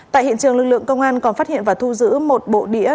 tại hiện trường lực lượng công an còn phát hiện và thu giữ một bộ đĩa